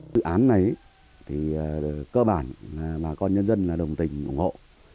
dự án này thì cơ bản bà con nhân dân đồng tình ủng hộ